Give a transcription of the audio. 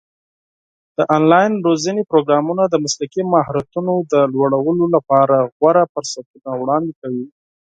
د آنلاین روزنې پروګرامونه د مسلکي مهارتونو د لوړولو لپاره غوره فرصتونه وړاندې کوي.